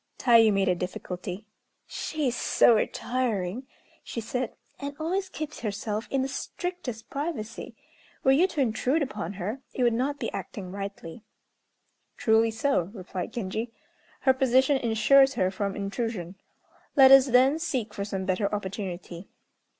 Tayû made a difficulty. "She is so retiring," she said, "and always keeps herself in the strictest privacy. Were you to intrude upon her, it would not be acting rightly." "Truly so," replied Genji; "her position insures her from intrusion. Let us, then, seek for some better opportunity."